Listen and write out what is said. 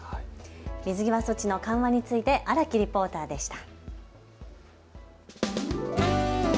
水際措置の緩和について荒木リポーターでした。